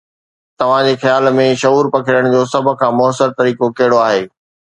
توهان جي خيال ۾ شعور پکيڙڻ جو سڀ کان مؤثر طريقو ڪهڙو آهي؟